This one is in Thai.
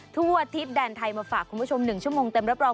ทั่วอาทิตย์แดนไทยมาฝากคุณผู้ชม๑ชั่วโมงเต็มรับรอง